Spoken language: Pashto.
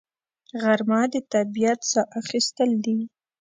غرمه د طبیعت ساه اخیستل دي